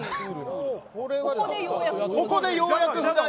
ここでようやく。